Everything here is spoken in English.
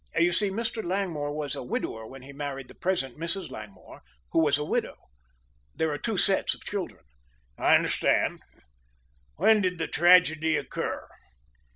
You see Mr. Langmore was a widower when he married the present Mrs. Langmore, who was a widow. There are two sets of children." "I understand. When did the tragedy occur?"